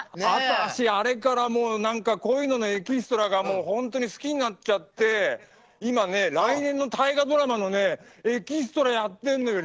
私、あれからこういうののエキストラが本当に好きになっちゃって今、来年の大河ドラマのエキストラやってんのよ。